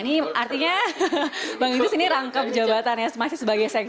ini artinya bang gita sini rangkap jabatan ya masih sebagai seks